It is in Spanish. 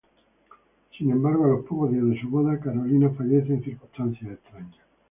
Sin embargo, a los pocos días de su boda, Carolina fallece en circunstancias extrañas.